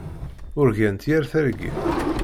Urgant yir targit.